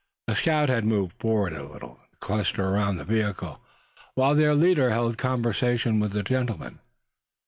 The scouts had moved forward a little, to cluster around the vehicle, while their leader held conversation with the gentleman.